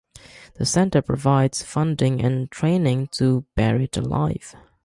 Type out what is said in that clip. The center provides funding and training to Buried Alive.